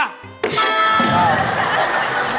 หอบ